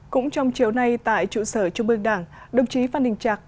cũng trong chiều nay tại trụ sở trung ương đảng đồng chí phan đình trạc